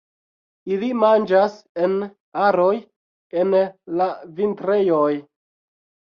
Ili manĝas en aroj en la vintrejoj.